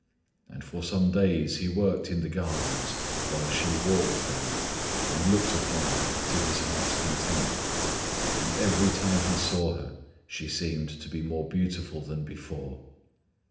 And for some days he worked in the gardens while she walked there and looked upon her to his heart's content and every time he saw her she seemed to be more beautiful than before.